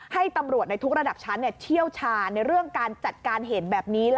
ให้ตำรวจในทุกระดับชั้นเชี่ยวชาญในเรื่องการจัดการเหตุแบบนี้